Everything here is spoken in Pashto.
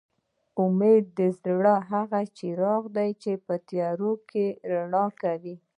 اميد د زړه هغه څراغ دي چې په تيارو کې رڼا کوي